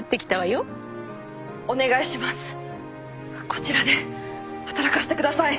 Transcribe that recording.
こちらで働かせてください